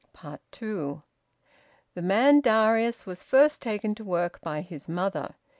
TWO. The man Darius was first taken to work by his mother.